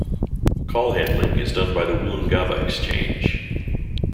Call Handling is done by the Woolloongabba Exchange.